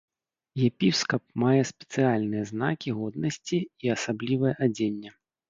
Епіскап мае спецыяльныя знакі годнасці і асаблівае адзенне.